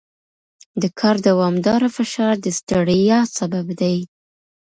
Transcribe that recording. د کار دوامداره فشار د ستړیا سبب دی.